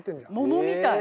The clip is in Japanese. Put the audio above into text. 桃みたい。